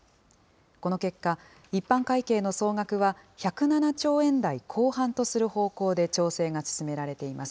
この結果、一般会計の総額は、１０７兆円台後半とする方向で調整が進められています。